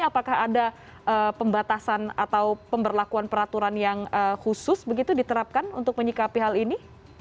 apakah ada pembatasan atau pemberlakuan peraturan yang khusus begitu diterapkan untuk menyikapi hal ini